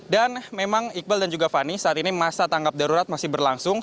dan memang iqbal dan juga fani saat ini masa tanggap darurat masih berlangsung